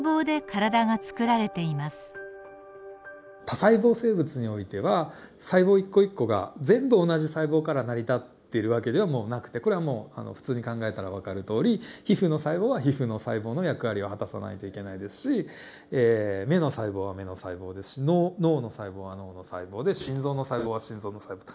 多細胞生物においては細胞一個一個が全部同じ細胞から成り立ってる訳ではもうなくてこれはもう普通に考えたらわかるとおり皮膚の細胞は皮膚の細胞の役割を果たさないといけないですし目の細胞は目の細胞ですし脳の細胞は脳の細胞で心臓の細胞は心臓の細胞。